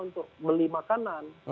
untuk beli makanan